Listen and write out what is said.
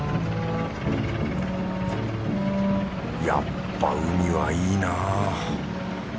やっぱ海はいいなぁ。